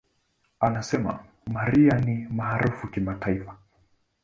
Anasema, "Mariah ni maarufu kimataifa.